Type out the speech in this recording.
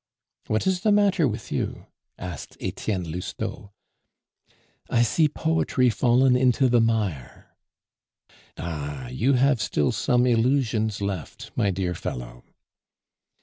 "What is the matter with you?" asked Etienne Lousteau. "I see poetry fallen into the mire." "Ah! you have still some illusions left, my dear fellow."